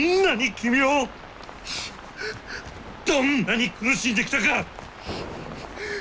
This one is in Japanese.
どんなに苦しんできたか！